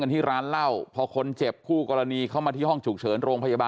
สวัสดีครับขอบคุณครับ